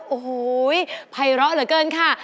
โอ้โหภัยร้อเหลือเกินค่ะ